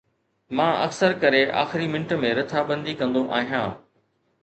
مان اڪثر ڪري آخري منٽ ۾ رٿابندي ڪندو آهيان